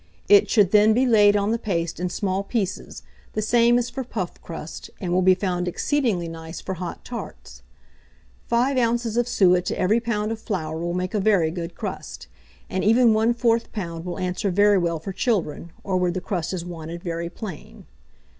It should then be laid on the paste in small pieces, the same as for puff crust, and will be found exceedingly nice for hot tarts. 5 oz. of suet to every lb. of flour will make a very good crust; and even 1/4 lb. will answer very well for children, or where the crust is wanted very plain.